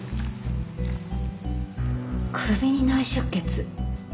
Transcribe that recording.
首に内出血。